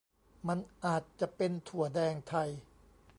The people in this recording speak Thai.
มันอาจจะเป็นถั่วแดงไทย